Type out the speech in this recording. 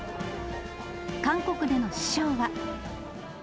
韓国での師匠は。